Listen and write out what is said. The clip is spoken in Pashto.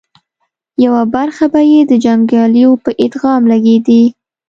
يوه برخه به یې د جنګياليو په ادغام لګېدې